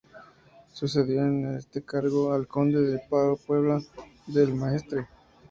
Sucedió en este cargo al conde de la Puebla del Maestre.